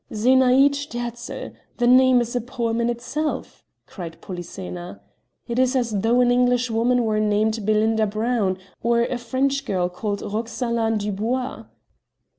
"Zenaïde Sterzl! the name is a poem in itself," cried Polyxena; "it is as though an English woman were named Belinda Brown, or a French girl called Roxalane Dubois."